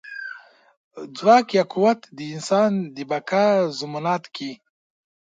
ځواک د انسان د بقا ضمانت دی.